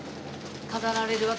飾られるわけ。